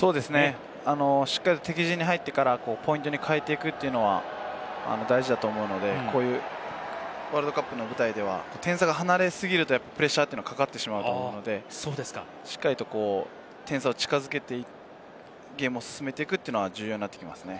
しっかり敵陣に入ってからポイントに変えていくというのは大事だと思うので、こういうワールドカップの舞台では点差が離れ過ぎるとプレッシャーがかかってしまうので、しっかりと点差を近づけてゲームを進めていくというのは重要になっていきますね。